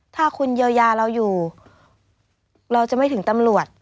ถ้าคุณเยียวยาเราอยู่เราจะไม่ถึงตำรวจ